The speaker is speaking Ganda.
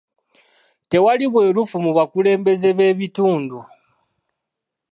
Tewali bwerufu mu bakulembeze b'ebitundu.